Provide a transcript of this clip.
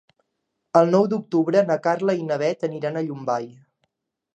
El nou d'octubre na Carla i na Bet aniran a Llombai.